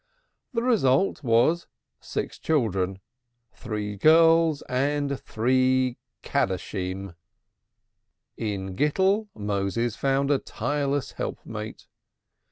The result was six children, three girls and three Kaddishim. In Gittel, Moses found a tireless helpmate.